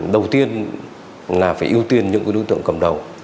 đầu tiên là phải ưu tiên những đối tượng cầm đầu